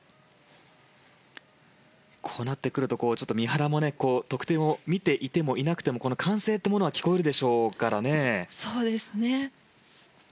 こうなってくると三原も得点を見ていてもいなくても歓声というものは聞こえるでしょうからね。